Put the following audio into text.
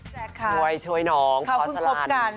ช่วยน้องขอสรรค์